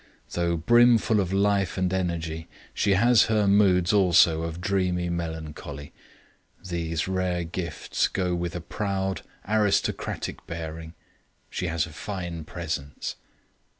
Though brimful of life and energy, she has her moods also of dreamy melancholy. These rare gifts go with a proud aristocratic bearing; she has a fine presence.